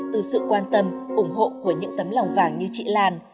từ sự quan tâm ủng hộ của những tấm lòng vàng như chị lan